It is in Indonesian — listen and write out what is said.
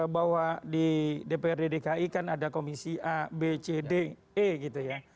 bahwa di dprd dki kan ada komisi a b c d e gitu ya